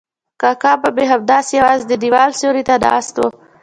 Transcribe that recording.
کاکا به مې همداسې یوازې د دیوال سیوري ته ناست و.